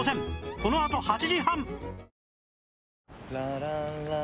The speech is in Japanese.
このあと８時半